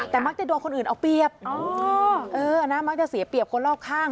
แต่มักจะโดนคนอื่นเอาเปรียบมักจะเสียเปรียบคนรอบข้าง